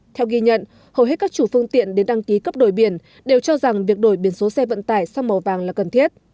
theo ghi nhận hầu hết các chủ phương tiện đến đăng ký cấp đổi biển đều cho rằng việc đổi biển số xe vận tải sang màu vàng là cần thiết